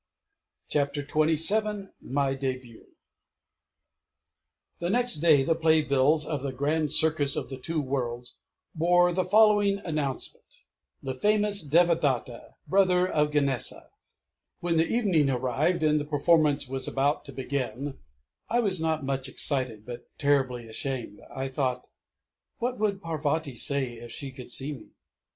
CHAPTER XXVII MY DEBUT The next day the play bills of the "Grand Circus of the Two Worlds" bore the following announcement: ELEPHANT JUGGLER The Famous "Devadatta" Brother of Ganesa When the evening arrived, and the performance was about to begin, I was not much excited but terribly ashamed. I thought, "What would Parvati say if she could see me?